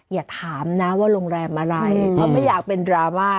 อย่าถามนะว่าโรงแรมอะไรเพราะไม่อยากเป็นดราม่า